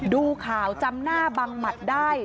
ดูข่าวจำหน้าบังหมัดได้